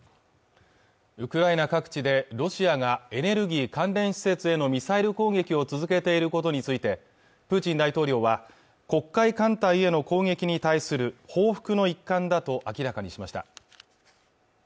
ウクライナ各地でロシアがエネルギー関連施設へのミサイル攻撃を続けていることについてプーチン大統領は黒海艦隊への攻撃に対する報復の一環だと明らかにしました